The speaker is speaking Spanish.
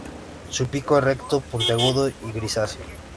Su pico es recto, puntiagudo y grisáceo.